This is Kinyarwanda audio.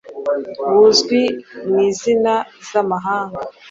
buzwi mu izina z’amahanga